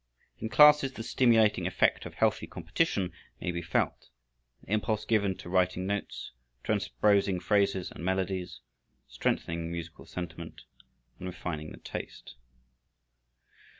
In classes the stimulating effect of healthy competition may be felt, an impulse given to writing notes, transposing phrases and melodies, strengthening musical sentiment and refining the taste.